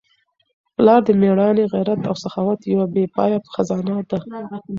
پلار د مېړانې، غیرت او سخاوت یوه بې پایه خزانه ده.